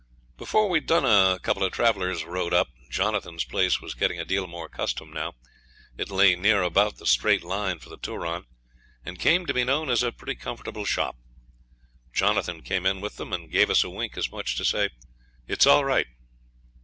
Before we'd done a couple of travellers rode up. Jonathan's place was getting a deal more custom now it lay near about the straight line for the Turon, and came to be known as a pretty comfortable shop. Jonathan came in with them, and gave us a wink as much as to say, 'It's all right.'